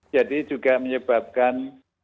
jadi juga menyebabkan